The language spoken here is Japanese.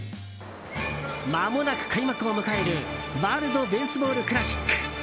まもなく開幕を迎えるワールド・ベースボール・クラシック。